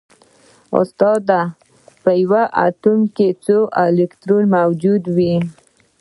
استاده په یو اتوم کې څو الکترونونه موجود وي